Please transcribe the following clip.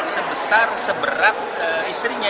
sebesar seberat istrinya